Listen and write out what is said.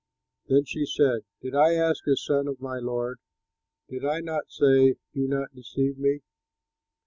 Then she said, "Did I ask a son of my lord? Did I not say, 'Do not deceive me?'"